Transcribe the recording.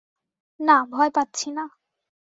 না, ভয় পাচ্ছি না।